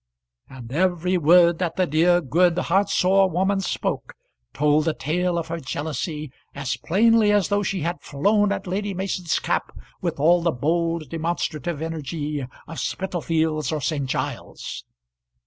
And every word that the dear, good, heart sore woman spoke, told the tale of her jealousy as plainly as though she had flown at Lady Mason's cap with all the bold demonstrative energy of Spitalfields or St. Giles.